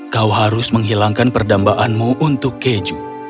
kau harus menghilangkan perdambaanmu untuk keju